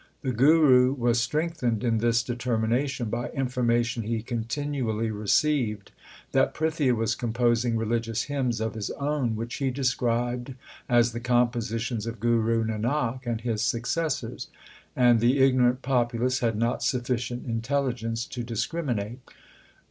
The Guru was strengthened in this determination by information he continually received that Prithia was composing religious hymns of his own which he described as the compositions of Guru Nanak and his successors, and the ignorant populace had not sufficient intelligence to discriminate.